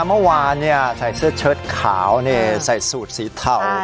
เมื่อวานเนี่ยใส่เสื้อเชิดขาวเนี่ยใส่สูตรสีเทา